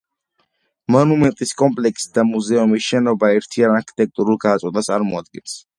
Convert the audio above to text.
მონუმენტის კომპლექსი და მუზეუმის შენობა ერთიან არქიტექტურულ გადაწყვეტას წარმოადგენს.